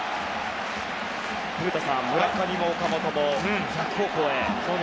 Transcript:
古田さん、村上も岡本も逆方向へ。